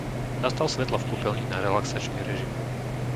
Nastav svetlá v kúpeľni na relaxačný režim.